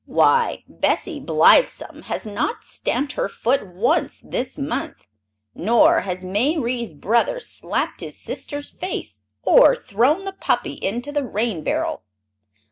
"Why, Bessie Blithesome has not stamped her foot once this month, nor has Mayrie's brother slapped his sister's face or thrown the puppy into the rain barrel.